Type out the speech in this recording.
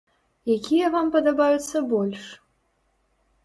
Якія вам падабаюцца больш?